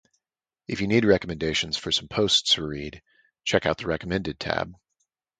If you need recommendations for some posts to read, check out the recommended tab.